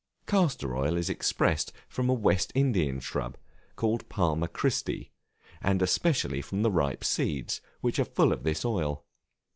Castor oil is expressed from a West Indian shrub, called Palma Christi; and especially from the ripe seeds, which are full of this oil.